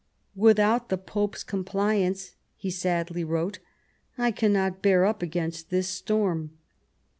"Without the Pope's compliance," he sadly wrote, " I cannot bear up against this storm."